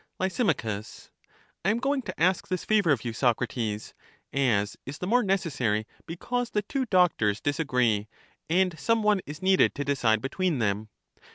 Lys, I am going to ask this favor of you, Socrates ; as is the more necessary because the two doctors dis agree, and some one is needed to decide between them.